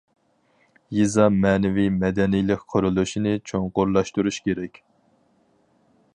يېزا مەنىۋى مەدەنىيلىك قۇرۇلۇشىنى چوڭقۇرلاشتۇرۇش كېرەك.